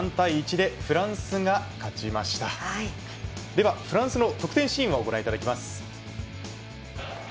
では、フランスの得点シーンをご覧いただきます。